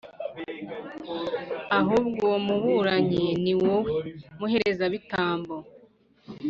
ahubwo uwo mburanya, ni wowe, muherezabitambo!